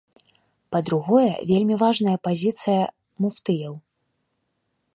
Па-другое, вельмі важная пазіцыя муфтыяў.